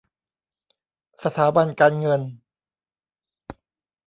สถาบันการเงิน